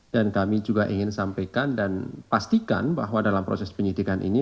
dan kami juga ingin sampaikan dan pastikan bahwa dalam proses penyitikan ini